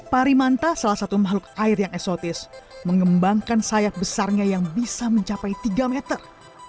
parimanta salah satu makhluk air yang esotis mengembangkan sayap besarnya yang bisa mencapai tiga meter